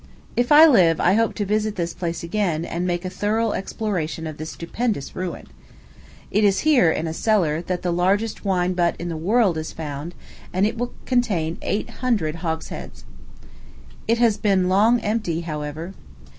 If I live, I hope to visit this place again, and make a thorough exploration of this stupendous ruin. It is here, in a cellar, that the largest wine butt in the world is found, and it will contain eight hundred hogsheads. It has long been empty, however.